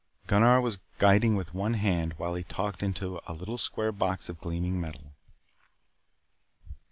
Gunnar was guiding with one hand while he talked into a little square box of gleaming metal.